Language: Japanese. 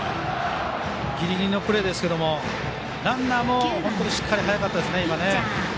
ギリギリのプレーですけどランナーもしっかり速かったですね、今。